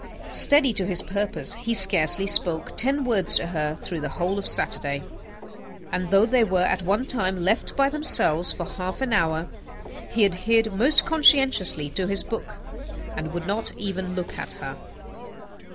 Steady to his purpose, he scarcely spoke ten words to her through the whole of Saturday: and though they were at one time left by themselves for half an hour, he adhered most conscientiously to his book, and would not even look at her.